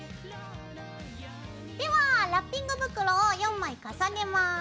ではラッピング袋を４枚重ねます。